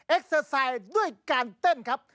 เซอร์ไซด์ด้วยการเต้นครับ